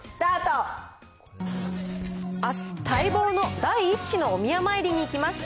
あす、待望の第１子のお宮参りに行きます。